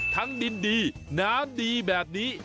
ทั้งดินดีน้ำดีแบบนี้